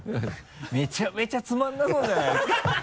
めちゃめちゃつまらなさそうじゃないですか